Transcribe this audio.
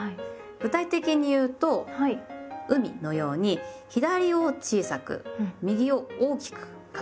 具体的に言うと「海」のように左を小さく右を大きく書きます。